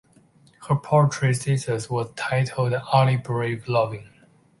Her poetry thesis was titled "Alla Breve Loving".